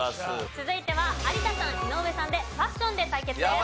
続いては有田さん井上さんでファッションで対決です。